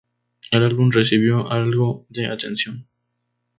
El álbum recibió algo de atención.